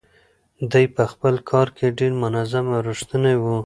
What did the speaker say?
دی په خپل کار کې ډېر منظم او ریښتونی و.